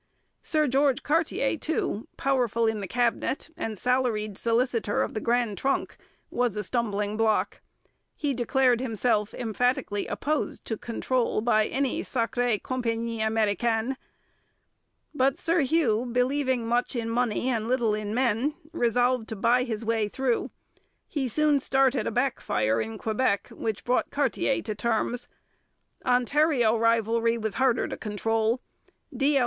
Sir George Cartier, too, powerful in the Cabinet and salaried solicitor of the Grand Trunk, was a stumbling block; he declared himself emphatically opposed to control by any 'sacrée compagnie américaine.' But Sir Hugh, believing much in money and little in men, resolved to buy his way through. He soon started a backfire in Quebec which brought Cartier to terms. Ontario rivalry was harder to control: D. L.